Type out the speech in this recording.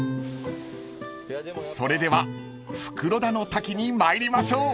［それでは袋田の滝に参りましょう］